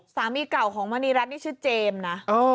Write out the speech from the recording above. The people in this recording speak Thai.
สามีเก่าของมณีรัฐนี่ชื่อเจมส์นะ